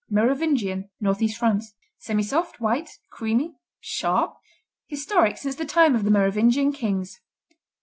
Merovingian Northeast France Semisoft; white; creamy; sharp; historic since the time of the Merovingian kings.